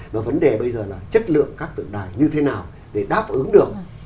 và vấn đề bây giờ là chất lượng các tượng đài như thế nào để đáp ứng được